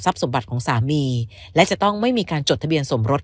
สมบัติของสามีและจะต้องไม่มีการจดทะเบียนสมรส